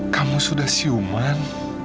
kamu sudah siuman